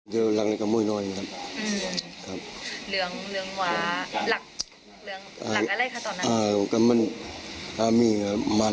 เลือกอยู่ที่ลูกร้อนหลักไหนครับ